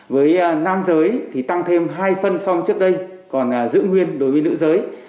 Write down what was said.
với nam giới thì tăng thêm hai phân so với trước đây còn giữ nguyên đối với nữ giới